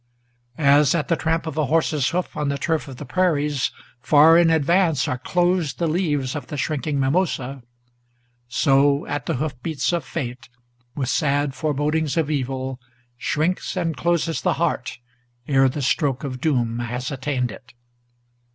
As, at the tramp of a horse's hoof on the turf of the prairies, Far in advance are closed the leaves of the shrinking mimosa, So, at the hoof beats of fate, with sad forebodings of evil, Shrinks and closes the heart, ere the stroke of doom has attained it.